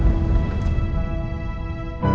lo udah ngerti kan